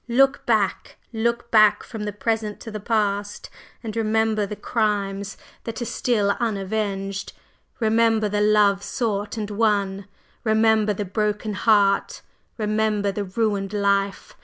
Look back, look back from the present to the past, and remember the crimes that are still unavenged! Remember the love sought and won! remember the broken heart! remember the ruined life!